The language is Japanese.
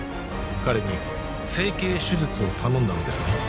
彼に整形手術を頼んだのですね？